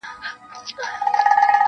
• ښار به نه وي یو وطن به وي د مړو -